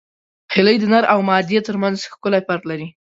هیلۍ د نر او مادې ترمنځ ښکلی فرق لري